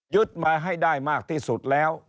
มาให้ได้มากที่สุดแล้ว